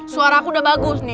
suara aku udah bagus nih